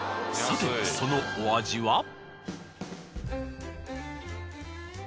さてそのお味は？